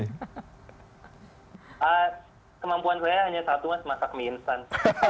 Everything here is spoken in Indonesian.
kemampuan saya hanya satu mas masak mie instan